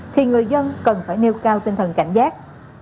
thì người dân cần phải nêu cao tinh thần cảnh giác